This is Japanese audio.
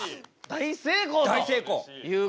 大成功と。